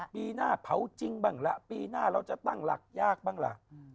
ปีหน้าเผาจริงบ้างล่ะปีหน้าเราจะตั้งหลักยากบ้างล่ะ